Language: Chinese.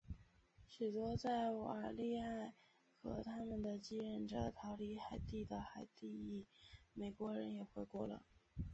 许多在瓦利埃和他们的继任者逃离海地的海地裔美国人也回国了。